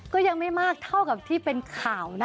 ก็ยังไม่มากเท่ากับที่เป็นข่าวนะ